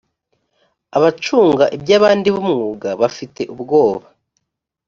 abacunga ibyabandi b ‘umwuga bafite ubwoba.